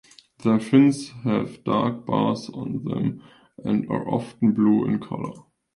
Their fins have dark bars on them and are often blue in colour.